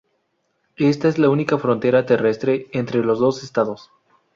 Esta es la única frontera terrestre entre los dos Estados.